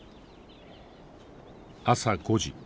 朝５時。